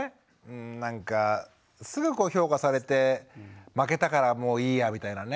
なんかすぐ評価されて負けたからもういいやみたいなね。